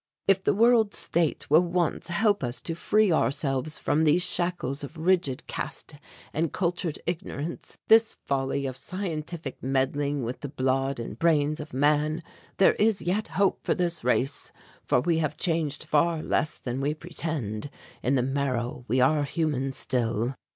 If the World State will once help us to free ourselves from these shackles of rigid caste and cultured ignorance, this folly of scientific meddling with the blood and brains of man, there is yet hope for this race, for we have changed far less than we pretend, in the marrow we are human still."